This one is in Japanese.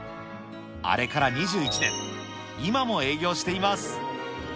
あれから２１年、今も営業しています。